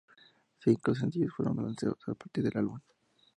Cinco sencillos fueron lanzados a partir del álbum.